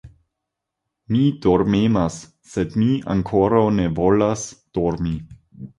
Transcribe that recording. Mi dormemas, sed mi ankoraŭ ne volas dormi.